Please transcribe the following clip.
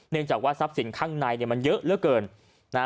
จากว่าทรัพย์สินข้างในเนี่ยมันเยอะเหลือเกินนะฮะ